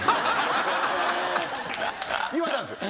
言われたんですよ。